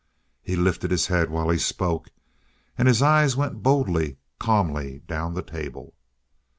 He lifted his head while he spoke. And his eye went boldly, calmly down the table.